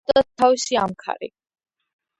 ჰყავდათ თავისი ამქარი.